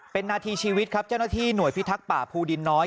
เป็นนาทีชีวิตครับเจ้าหน้าที่หน่วยพิทักษ์ป่าภูดินน้อย